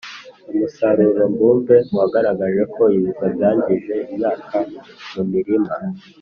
Umusaruro mbumbe wagaragaje ko Ibiza byangije imyaka mumirima